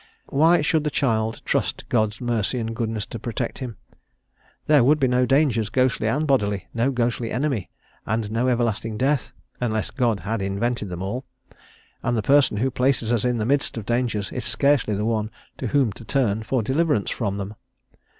Why should the child trust God's mercy and goodness to protect him? There would be no dangers, ghostly and bodily, no ghostly enemy, and no everlasting death, unless God had invented them all, and the person who places us in the midst of dangers is scarcely the one to whom to turn for deliverance from them.